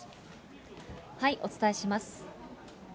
お伝えします。